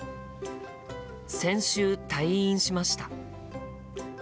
先週退院しました。